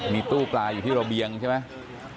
มีตู้ปลาอยู่ที่ระเบียงใช่ไหม